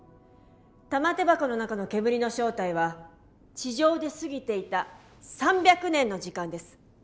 玉手箱の中の煙の正体は地上で過ぎていた３００年の時間です。